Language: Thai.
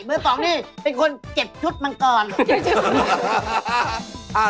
เบอร์สองนี้เป็นคนเก็บชุดมังกร